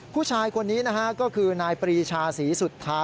ผู้ชายคนนี้นะฮะก็คือนายปรีชาศรีสุธา